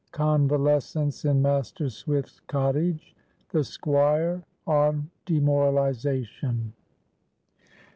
—CONVALESCENCE IN MASTER SWIFT'S COTTAGE.—THE SQUIRE ON DEMORALIZATION.